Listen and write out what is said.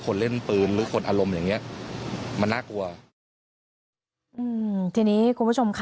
คนเล่นปืนเป็นคนอารมณ์อย่างเนี้ยมันน่ากลัวทีนี้คุณผู้ชม